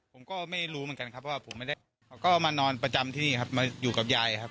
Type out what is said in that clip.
ผมก็ไม่รู้เหมือนกันครับว่าผมไม่ได้เขาก็มานอนประจำที่นี่ครับมาอยู่กับยายครับ